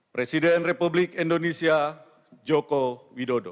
presiden republik indonesia joko widodo